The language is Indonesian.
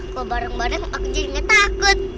kok bareng bareng aku jadi gak takut